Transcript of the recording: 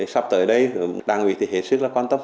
sắp tới đây đảng ủy thì hết sức là quan tâm